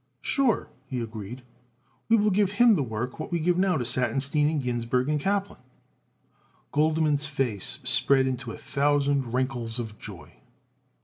"Sure," he agreed. "We will give him the work what we give now to Satinstein and Ginsburg & Kaplan." Goldman's face spread into a thousand wrinkles of joy.